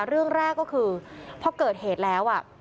เรื่องแรกก็คือพอเกิดเหตุแล้ว